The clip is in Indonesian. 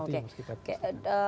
itu yang harus kita perhatikan